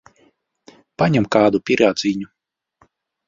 Paņem kādu pīrādziņu.